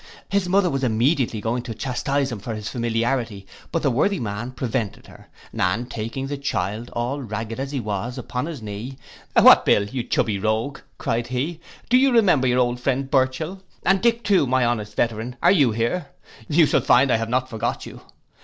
His mother was immediately going to chastise his familiarity, but the worthy man prevented her; and taking the child, all ragged as he was, upon his knee, 'What, Bill, you chubby rogue,' cried he, 'do you remember your old friend Burchell; and Dick too, my honest veteran, are you here, you shall find I have not forgot you.